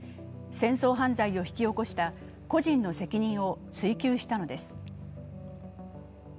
戦争犯罪を引き起こした個人の責任を追及したのです。